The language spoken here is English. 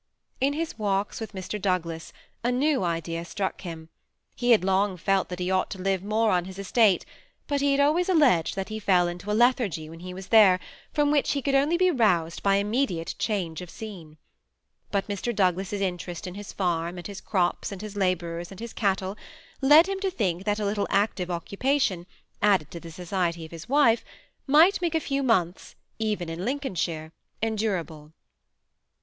In his walks with Mi*. Douglas, a new idea struck him. He had long felt that he ought to live more on his estate ; but had always alleged that he fell into a lethargy when he was there, from which he could only be roused by immediate change of scene. But Mr. Douglas's interest in his farm, and his crops, and his laborers, and his cattle, led him to think that a little active occupation, added to the society of his wife, might make a few months, even in Lincolnshire, en durable.